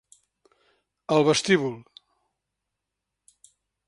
El vestíbul.